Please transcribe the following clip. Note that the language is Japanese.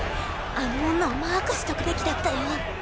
あの女をマークしとくべきだったよ。